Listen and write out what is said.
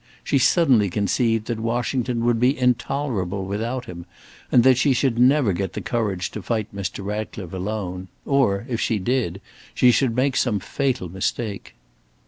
She suddenly conceived that Washington would be intolerable without him, and that she should never get the courage to fight Mr. Ratcliffe alone, or, if she did, she should make some fatal mistake.